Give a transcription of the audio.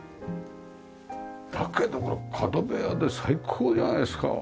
だけどこれ角部屋で最高じゃないですか。